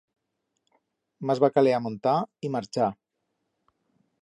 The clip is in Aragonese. Mas va caler amontar y marchar.